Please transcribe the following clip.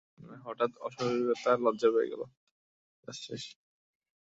হঠাৎ অস্বাভাবিক লজ্জা পেয়ে গেল।